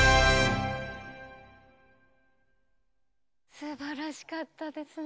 すばらしかったですね。